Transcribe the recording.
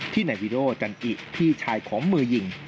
ที่นายวิรัติจันอิพี่ชายของมือหญิง